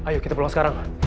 ya kita pulang sekarang